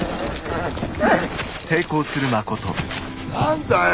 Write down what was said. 何だよ！